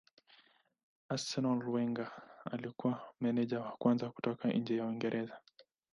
Arsenal Wenger alikuwa meneja wa kwanza kutoka nje ya Uingereza.